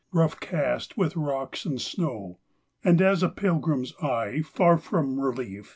Rough cast with rocks and snow ; And as a pilgrim's eye, Far from relief.